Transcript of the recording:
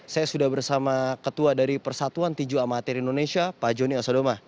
saya sudah bersama ketua dari persatuan tinju amatir indonesia pak joni asodoma